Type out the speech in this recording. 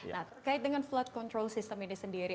nah terkait dengan flight control system ini sendiri